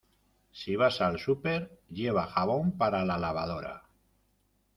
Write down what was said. Si vas al súper, lleva jabón para la lavadora.